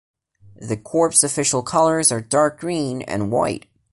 The corps official colors are dark green and white.